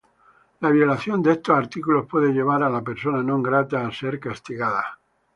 La violación de estos artículos puede llevar a la "persona non grata" ser "castigada".